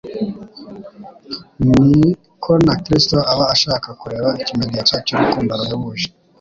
ni ko na Kristo aba ashaka kureba ikimenyetso cy’urukundo ruhebuje,